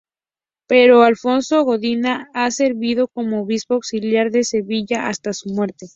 Pero Alonso Godina ha servido como obispo auxiliar de Sevilla hasta su muerte.